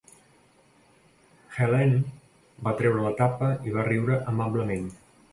Helene va treure la tapa i va riure amablement.